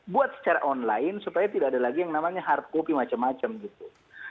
buat secara online supaya tidak ada lagi yang namanya hard copy macam macam gitu